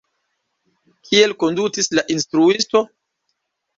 Kiel kondutis la instruisto?